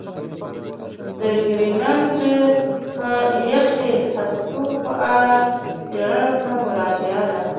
د ګرینلنډ یخي هستو په اړه څېړنو ته مراجعه ده.